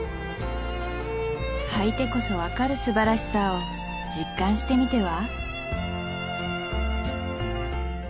履いてこそ分かるすばらしさを実感してみては？